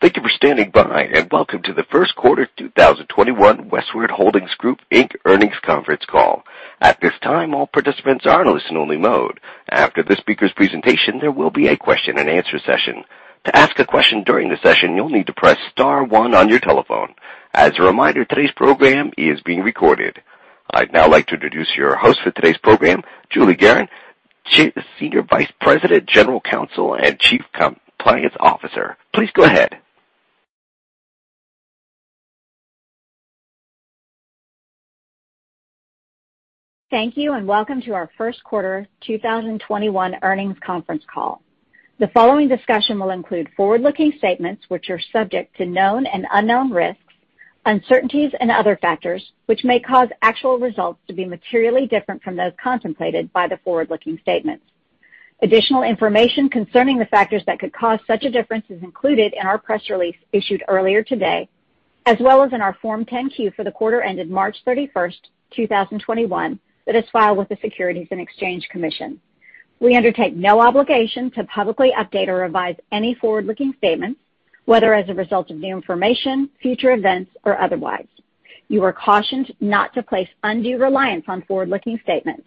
Thank you for standing by. Welcome to the first quarter 2021 Westwood Holdings Group, Inc earnings conference call. At this time, all participants are in listen only mode. After the speaker's presentation, there will be a question-and-answer session. To ask a question during the session, you'll need to press star one on your telephone. As a reminder, today's program is being recorded. I'd now like to introduce your host for today's program, Julie Gerron, Senior Vice President, General Counsel, and Chief Compliance Officer. Please go ahead. Thank you, and welcome to our first quarter 2021 earnings conference call. The following discussion will include forward-looking statements which are subject to known and unknown risks, uncertainties, and other factors, which may cause actual results to be materially different from those contemplated by the forward-looking statements. Additional information concerning the factors that could cause such a difference is included in our press release issued earlier today, as well as in our Form 10-Q for the quarter ended March 31st, 2021, that is filed with the Securities and Exchange Commission. We undertake no obligation to publicly update or revise any forward-looking statements, whether as a result of new information, future events, or otherwise. You are cautioned not to place undue reliance on forward-looking statements.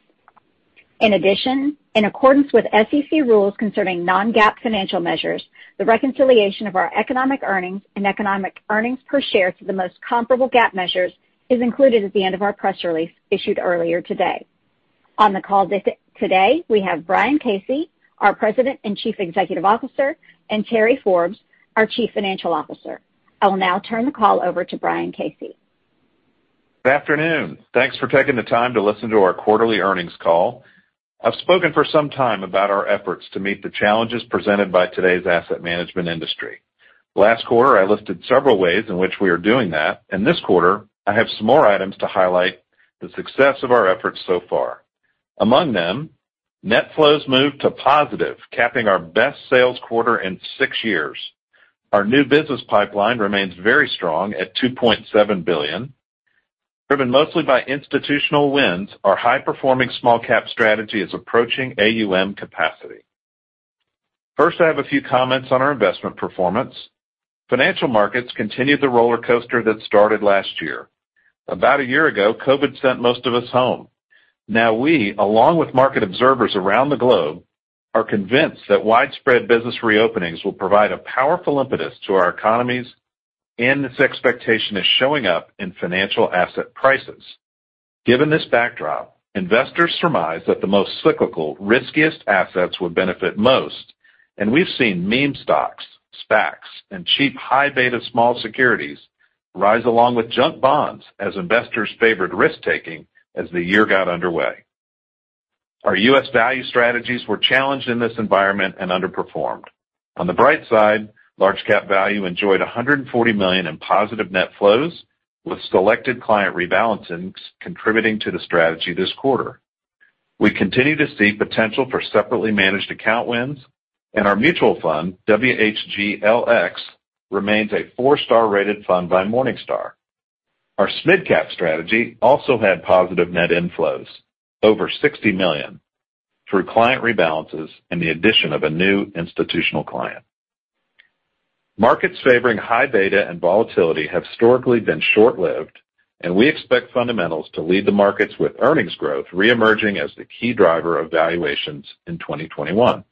In addition, in accordance with SEC rules concerning non-GAAP financial measures, the reconciliation of our economic earnings and economic earnings per share to the most comparable GAAP measures is included at the end of our press release issued earlier today. On the call today, we have Brian Casey, our President and Chief Executive Officer, and Terry Forbes, our Chief Financial Officer. I will now turn the call over to Brian Casey. Good afternoon. Thanks for taking the time to listen to our quarterly earnings call. I've spoken for some time about our efforts to meet the challenges presented by today's asset management industry. Last quarter, I listed several ways in which we are doing that. In this quarter, I have some more items to highlight the success of our efforts so far. Among them, net flows moved to positive, capping our best sales quarter in six years. Our new business pipeline remains very strong at $2.7 billion. Driven mostly by institutional wins, our high performing small cap strategy is approaching AUM capacity. First, I have a few comments on our investment performance. Financial markets continued the roller coaster that started last year. About one year ago, COVID sent most of us home. We, along with market observers around the globe, are convinced that widespread business reopenings will provide a powerful impetus to our economies, and this expectation is showing up in financial asset prices. Given this backdrop, investors surmise that the most cyclical, riskiest assets would benefit most, and we've seen meme stocks, SPACs, and cheap high beta small securities rise along with junk bonds as investors favored risk-taking as the year got underway. Our U.S. value strategies were challenged in this environment and underperformed. On the bright side, large cap value enjoyed $140 million in positive net flows, with selected client rebalancings contributing to the strategy this quarter. We continue to see potential for separately managed account wins, and our mutual fund, WHGLX, remains a four-star rated fund by Morningstar. Our midcap strategy also had positive net inflows, over $60 million, through client rebalances and the addition of a new institutional client. Markets favoring high beta and volatility have historically been short-lived, and we expect fundamentals to lead the markets with earnings growth reemerging as the key driver of valuations in 2021.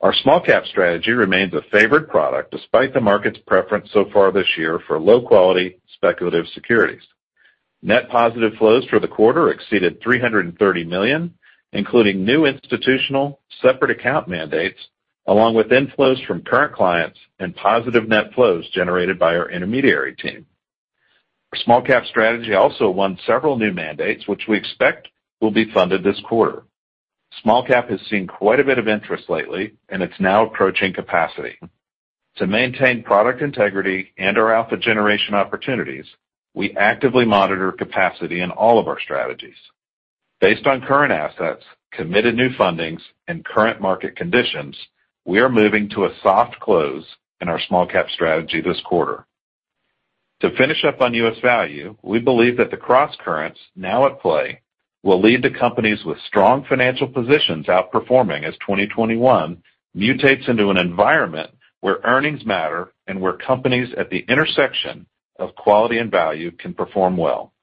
Our small cap strategy remains a favorite product despite the market's preference so far this year for low quality, speculative securities. Net positive flows for the quarter exceeded $330 million, including new institutional separate account mandates, along with inflows from current clients and positive net flows generated by our intermediary team. Our small cap strategy also won several new mandates, which we expect will be funded this quarter. Small cap has seen quite a bit of interest lately, and it's now approaching capacity. To maintain product integrity and our alpha generation opportunities, we actively monitor capacity in all of our strategies. Based on current assets, committed new fundings, and current market conditions, we are moving to a soft close in our Small Cap strategy this quarter. To finish up on U.S. value, we believe that the crosscurrents now at play will lead to companies with strong financial positions outperforming as 2021 mutates into an environment where earnings matter and where companies at the intersection of quality and value can perform well.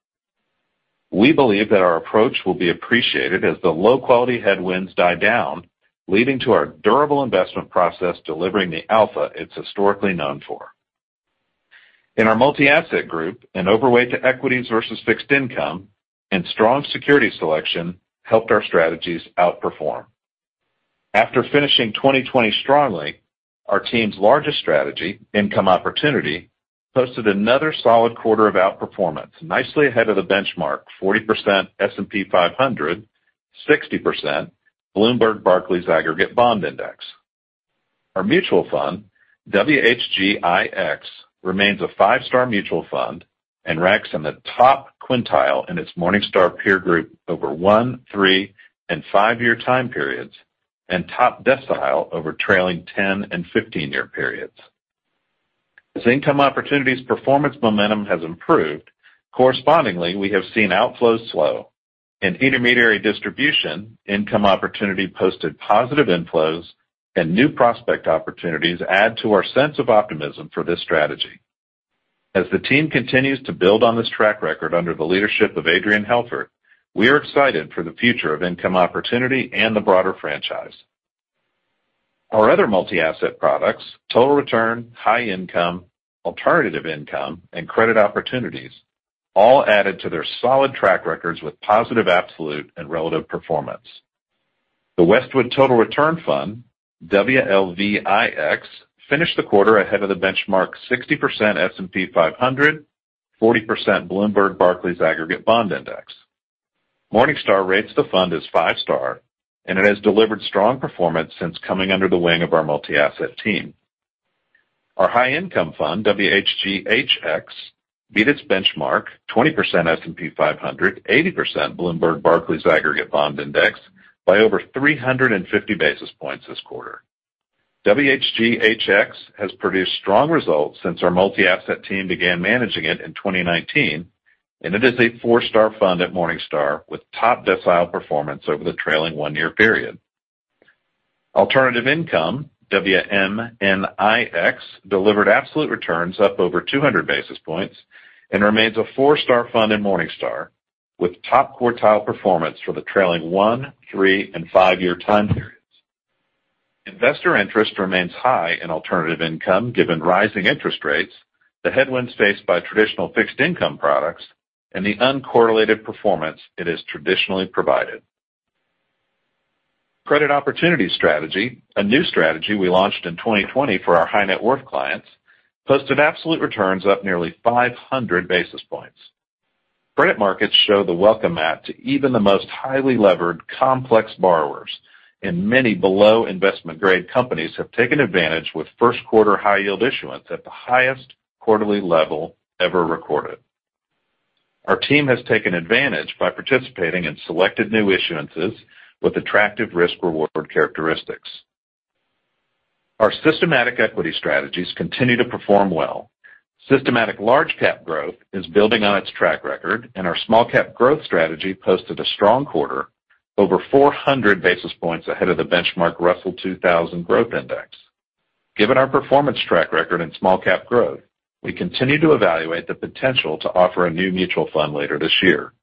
We believe that our approach will be appreciated as the low-quality headwinds die down, leading to our durable investment process delivering the alpha it's historically known for. In our multi-asset group, an overweight to equities versus fixed income and strong security selection helped our strategies outperform. After finishing 2020 strongly, our team's largest strategy, Income Opportunity, posted another solid quarter of outperformance, nicely ahead of the benchmark 40% S&P 500, 60% Bloomberg Barclays Aggregate Bond Index. Our mutual fund, WHGIX, remains a five-star mutual fund and ranks in the top quintile in its Morningstar peer group over one, three, and five-year time periods, and top decile over trailing 10 and 15-year periods. As Income Opportunity's performance momentum has improved, correspondingly, we have seen outflows slow. In intermediary distribution, Income Opportunity posted positive inflows and new prospect opportunities add to our sense of optimism for this strategy. As the team continues to build on this track record under the leadership of Adrian Helfert, we are excited for the future of Income Opportunity and the broader franchise. Our other multi-asset products, Total Return, High Income, Alternative Income, and Credit Opportunities, all added to their solid track records with positive absolute and relative performance. The Westwood Total Return Fund, WLVIX, finished the quarter ahead of the benchmark 60% S&P 500, 40% Bloomberg Barclays Aggregate Bond Index. Morningstar rates the fund as five-star, and it has delivered strong performance since coming under the wing of our multi-asset team. Our High Income Fund, WHGHX, beat its benchmark 20% S&P 500, 80% Bloomberg Barclays Aggregate Bond Index by over 350 basis points this quarter. WHGHX has produced strong results since our multi-asset team began managing it in 2019, and it is a four-star fund at Morningstar with top decile performance over the trailing one-year period. Alternative Income, WMNIX, delivered absolute returns up over 200 basis points and remains a four-star fund in Morningstar, with top quartile performance for the trailing one, three, and five-year time periods. Investor interest remains high in Alternative Income given rising interest rates, the headwinds faced by traditional fixed income products, and the uncorrelated performance it has traditionally provided. Credit Opportunities strategy, a new strategy we launched in 2020 for our high net worth clients, posted absolute returns up nearly 500 basis points. Credit markets show the welcome mat to even the most highly levered, complex borrowers, and many below investment-grade companies have taken advantage with first quarter high yield issuance at the highest quarterly level ever recorded. Our team has taken advantage by participating in selected new issuances with attractive risk-reward characteristics. Our systematic equity strategies continue to perform well. Systematic Large Cap Growth is building on its track record. Our Small Cap Growth strategy posted a strong quarter over 400 basis points ahead of the benchmark Russell 2000 Growth Index. Given our performance track record in Small Cap Growth, we continue to evaluate the potential to offer a new mutual fund later this year.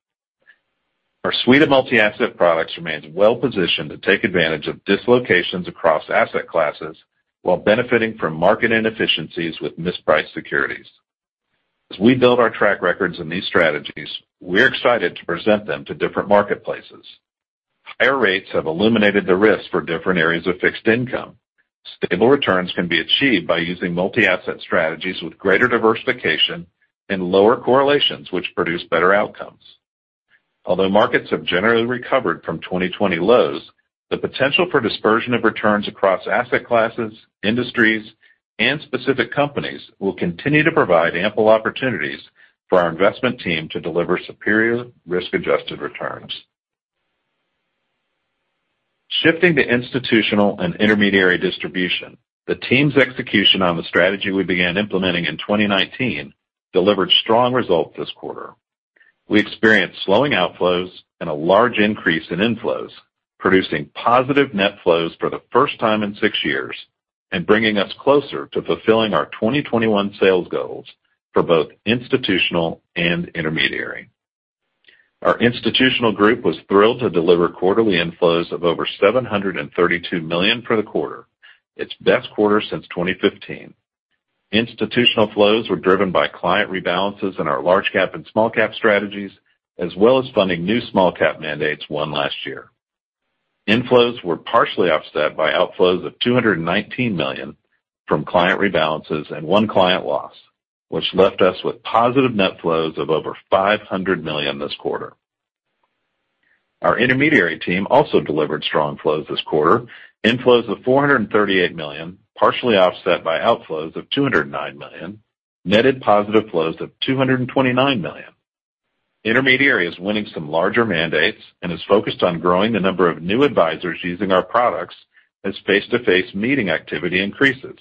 Our suite of multi-asset products remains well-positioned to take advantage of dislocations across asset classes while benefiting from market inefficiencies with mispriced securities. As we build our track records in these strategies, we're excited to present them to different marketplaces. Higher rates have illuminated the risk for different areas of fixed income. Stable returns can be achieved by using multi-asset strategies with greater diversification and lower correlations, which produce better outcomes. Although markets have generally recovered from 2020 lows, the potential for dispersion of returns across asset classes, industries, and specific companies will continue to provide ample opportunities for our investment team to deliver superior risk-adjusted returns. Shifting to institutional and intermediary distribution, the team's execution on the strategy we began implementing in 2019 delivered strong results this quarter. We experienced slowing outflows and a large increase in inflows, producing positive net flows for the first time in six years and bringing us closer to fulfilling our 2021 sales goals for both institutional and intermediary. Our institutional group was thrilled to deliver quarterly inflows of over $732 million for the quarter, its best quarter since 2015. Institutional flows were driven by client rebalances in our Large Cap and Small Cap strategies, as well as funding new Small Cap mandates won last year. Inflows were partially offset by outflows of $219 million from client rebalances and one client loss, which left us with positive net flows of over $500 million this quarter. Our intermediary team also delivered strong flows this quarter. Inflows of $438 million, partially offset by outflows of $209 million, netted positive flows of $229 million. Intermediary is winning some larger mandates and is focused on growing the number of new advisors using our products as face-to-face meeting activity increases.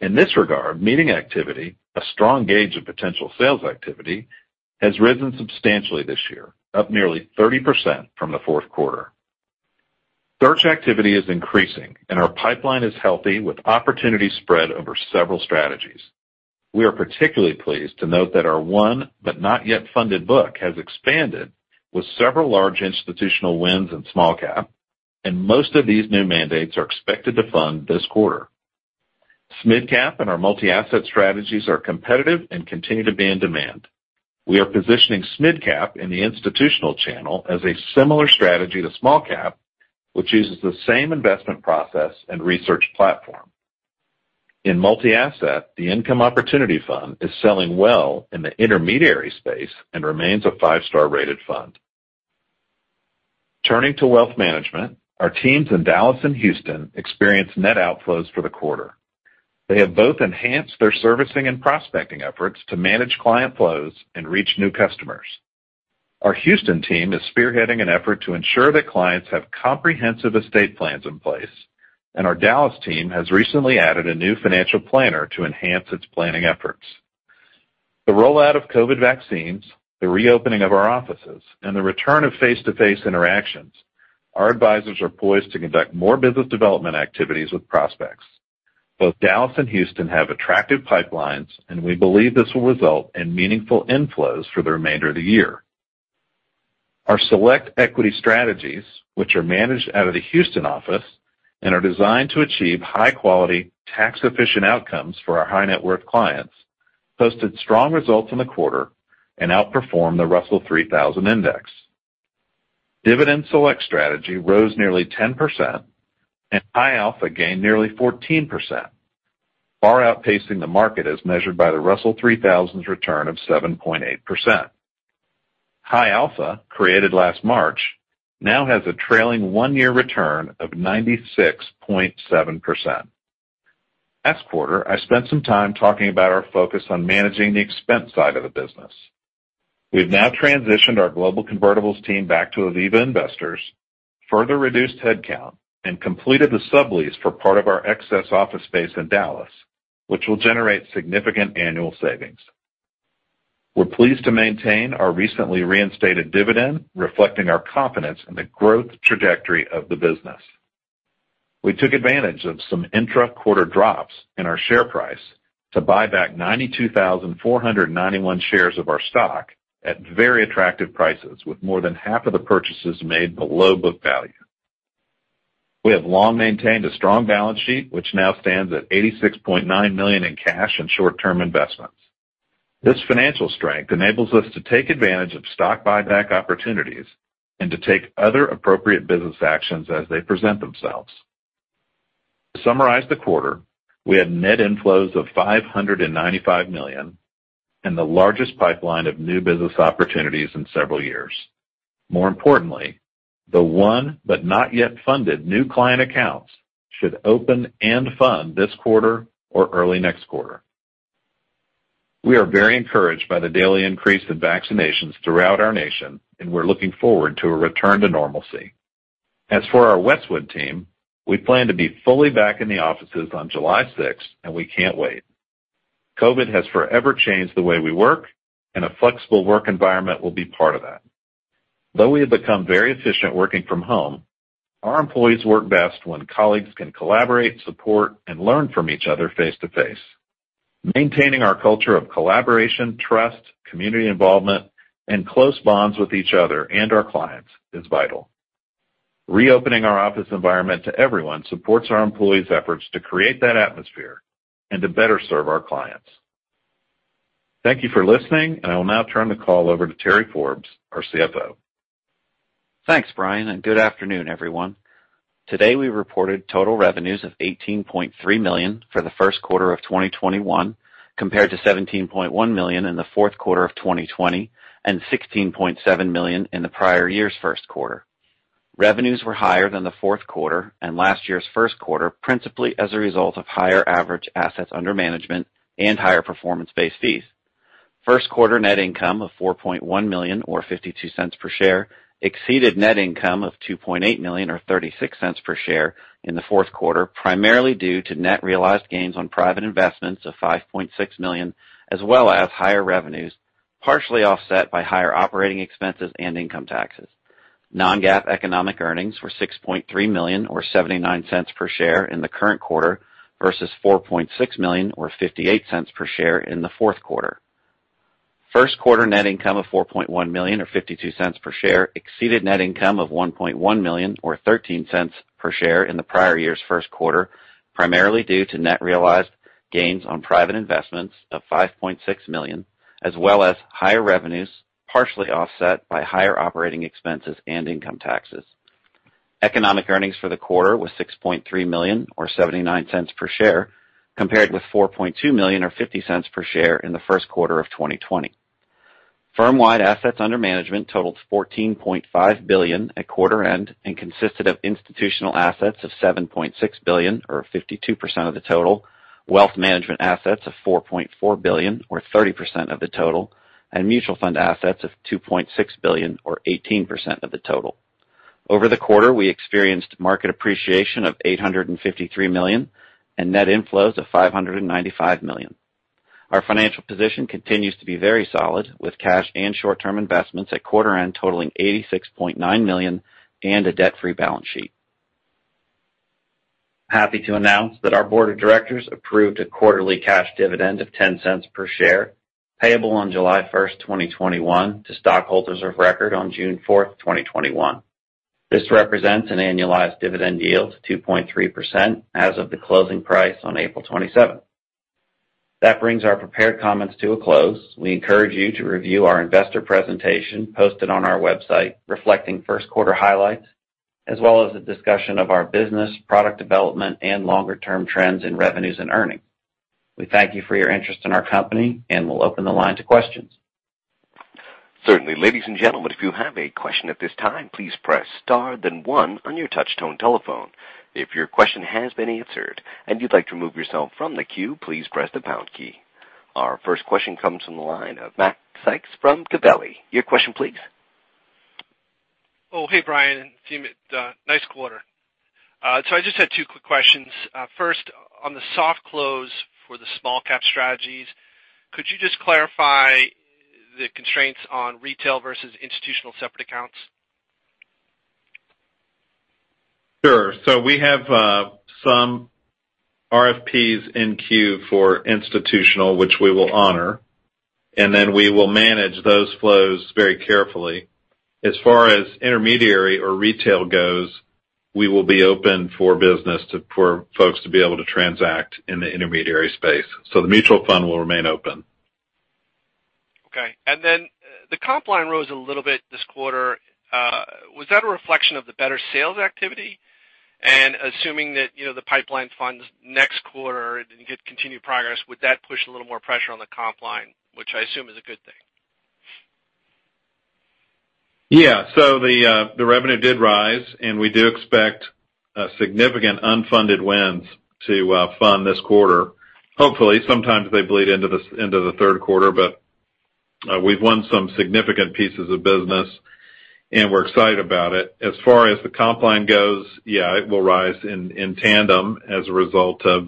In this regard, meeting activity, a strong gauge of potential sales activity, has risen substantially this year, up nearly 30% from the fourth quarter. Search activity is increasing and our pipeline is healthy with opportunities spread over several strategies. We are particularly pleased to note that our won but not yet funded book has expanded with several large institutional wins in Small Cap, and most of these new mandates are expected to fund this quarter. SMid Cap and our multi-asset strategies are competitive and continue to be in demand. We are positioning SMid Cap in the institutional channel as a similar strategy to Small Cap, which uses the same investment process and research platform. In multi-asset, the Income Opportunity Fund is selling well in the intermediary space and remains a five-star rated fund. Turning to wealth management, our teams in Dallas and Houston experienced net outflows for the quarter. They have both enhanced their servicing and prospecting efforts to manage client flows and reach new customers. Our Houston team is spearheading an effort to ensure that clients have comprehensive estate plans in place, and our Dallas team has recently added a new financial planner to enhance its planning efforts. The rollout of COVID vaccines, the reopening of our offices, and the return of face-to-face interactions, our advisors are poised to conduct more business development activities with prospects. Both Dallas and Houston have attractive pipelines, and we believe this will result in meaningful inflows for the remainder of the year. Our select equity strategies, which are managed out of the Houston office and are designed to achieve high-quality, tax-efficient outcomes for our high-net-worth clients, posted strong results in the quarter and outperformed the Russell 3000 Index. Dividend Select strategy rose nearly 10%, and High Alpha gained nearly 14%, far outpacing the market as measured by the Russell 3000's return of 7.8%. High Alpha, created last March, now has a trailing one-year return of 96.7%. Last quarter, I spent some time talking about our focus on managing the expense side of the business. We've now transitioned our global convertibles team back to Aviva Investors, further reduced headcount, and completed the sublease for part of our excess office space in Dallas, which will generate significant annual savings. We're pleased to maintain our recently reinstated dividend, reflecting our confidence in the growth trajectory of the business. We took advantage of some intra-quarter drops in our share price to buy back 92,491 shares of our stock at very attractive prices, with more than half of the purchases made below book value. We have long maintained a strong balance sheet, which now stands at $86.9 million in cash and short-term investments. This financial strength enables us to take advantage of stock buyback opportunities and to take other appropriate business actions as they present themselves. To summarize the quarter, we had net inflows of $595 million and the largest pipeline of new business opportunities in several years. More importantly, the won but not yet funded new client accounts should open and fund this quarter or early next quarter. We are very encouraged by the daily increase in vaccinations throughout our nation, and we're looking forward to a return to normalcy. As for our Westwood team, we plan to be fully back in the offices on July 6th, and we can't wait. COVID has forever changed the way we work, and a flexible work environment will be part of that. Though we have become very efficient working from home, our employees work best when colleagues can collaborate, support, and learn from each other face-to-face. Maintaining our culture of collaboration, trust, community involvement, and close bonds with each other and our clients is vital. Reopening our office environment to everyone supports our employees' efforts to create that atmosphere and to better serve our clients. Thank you for listening, and I will now turn the call over to Terry Forbes, our CFO. Thanks, Brian, and good afternoon, everyone. Today, we reported total revenues of $18.3 million for the first quarter of 2021 compared to $17.1 million in the fourth quarter of 2020 and $16.7 million in the prior year's first quarter. Revenues were higher than the fourth quarter and last year's first quarter, principally as a result of higher average assets under management and higher performance-based fees. First quarter net income of $4.1 million or $0.52 per share exceeded net income of $2.8 million or $0.36 per share in the fourth quarter, primarily due to net realized gains on private investments of $5.6 million, as well as higher revenues, partially offset by higher operating expenses and income taxes. Non-GAAP economic earnings were $6.3 million or $0.79 per share in the current quarter versus $4.6 million or $0.58 per share in the fourth quarter. First quarter net income of $4.1 million or $0.52 per share exceeded net income of $1.1 million or $0.13 per share in the prior year's first quarter, primarily due to net realized gains on private investments of $5.6 million, as well as higher revenues, partially offset by higher operating expenses and income taxes. economic earnings for the quarter were $6.3 million or $0.79 per share, compared with $4.2 million or $0.50 per share in the first quarter of 2020. Firm-wide assets under management totaled $14.5 billion at quarter end and consisted of institutional assets of $7.6 billion or 52% of the total, wealth management assets of $4.4 billion or 30% of the total, and mutual fund assets of $2.6 billion or 18% of the total. Over the quarter, we experienced market appreciation of $853 million and net inflows of $595 million. Our financial position continues to be very solid, with cash and short-term investments at quarter end totaling $86.9 million and a debt-free balance sheet. I'm happy to announce that our board of directors approved a quarterly cash dividend of $0.10 per share, payable on July 1st, 2021 to stockholders of record on June 4th, 2021. This represents an annualized dividend yield of 2.3% as of the closing price on April 27th. That brings our prepared comments to a close. We encourage you to review our investor presentation posted on our website reflecting first quarter highlights, as well as a discussion of our business, product development, and longer-term trends in revenues and earnings. We thank you for your interest in our company, and we'll open the line to questions. Certainly. Ladies and gentlemen, if you have a question at this time, please press star then one on your touch-tone telephone. If your question has been answered and you'd like to remove yourself from the queue, please press the pound key. Our first question comes from the line of Mac Sykes from Gabelli. Your question, please. Oh, hey, Brian. Nice quarter. I just had two quick questions. First, on the soft close for the small cap strategies, could you just clarify the constraints on retail versus institutional separate accounts? Sure. We have some RFPs in queue for institutional, which we will honor, and then we will manage those flows very carefully. As far as intermediary or retail goes, we will be open for business for folks to be able to transact in the intermediary space. The mutual fund will remain open. Okay. The comp line rose a little bit this quarter. Was that a reflection of the better sales activity? Assuming that the pipeline funds next quarter didn't get continued progress, would that push a little more pressure on the comp line, which I assume is a good thing? Yeah. The revenue did rise, and we do expect significant unfunded wins to fund this quarter. Hopefully. Sometimes they bleed into the third quarter, but we've won some significant pieces of business, and we're excited about it. As far as the comp line goes, it will rise in tandem as a result of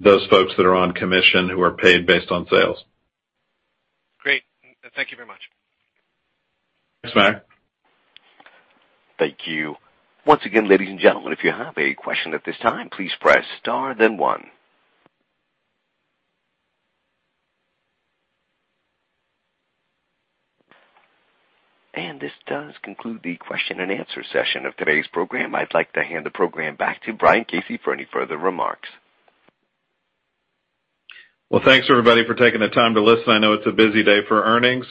those folks that are on commission who are paid based on sales. Great. Thank you very much. Thanks, Mac. Thank you. Once again, ladies and gentlemen, if you have a question at this time, please press star then one. This does conclude the question-and-answer session of today's program. I'd like to hand the program back to Brian Casey for any further remarks. Thanks, everybody, for taking the time to listen. I know it's a busy day for earnings.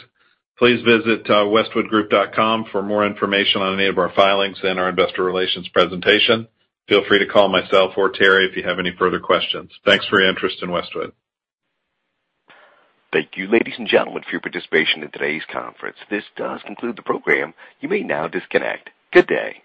Please visit westwoodgroup.com for more information on any of our filings and our investor relations presentation. Feel free to call myself or Terry if you have any further questions. Thanks for your interest in Westwood. Thank you, ladies and gentlemen, for your participation in today's conference. This does conclude the program. You may now disconnect. Good day.